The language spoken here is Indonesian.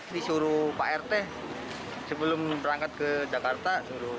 disuruh pak rt sebelum berangkat ke jakarta